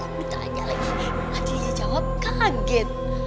gue ditanya lagi nanti dia jawab kaget